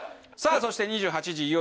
さぁそして２８時